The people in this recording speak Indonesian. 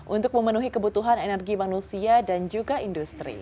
untuk memenuhi kebutuhan energi manusia dan juga industri